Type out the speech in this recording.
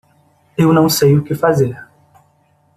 Eu não sei o que fazer.